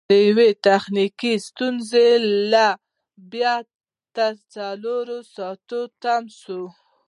د یوې تخنیکي ستونزې له با بته څلور ساعته تم سو.